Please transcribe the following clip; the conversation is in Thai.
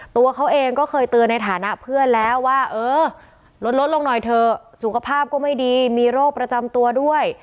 ตัวเขาเองก็เคยเตือนในฐานะเพื่อนแล้วว่าเออลดลงหน่อยเถอะสุขภาพก็ไม่ดีมีโรคประจำตัวด้วย